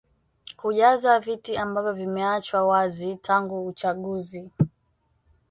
kujaza viti ambavyo vimeachwa wazi tangu uachaguzi